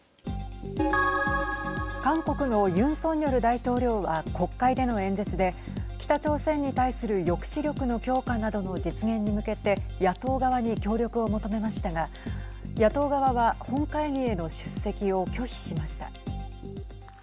韓国のユン・ソンニョル大統領は国会での演説で北朝鮮に対する抑止力の強化などの実現に向けて野党側に協力を求めましたが野党側は本会議への出席を拒否しました。